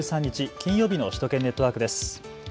金曜日の首都圏ネットワークです。